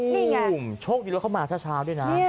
นี่ตุ้มชกดีแล้วเข้ามาช้าด้วยนะ